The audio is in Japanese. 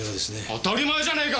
当たり前じゃねえか！